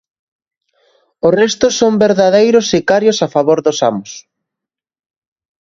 O resto son verdadeiros sicarios a favor dos amos.